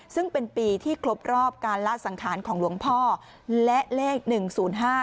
ซึ่งเป็นปีที่ครบรอบการละสังขารของหลวงพ่อและเลขหนึ่งศูนย์ห้า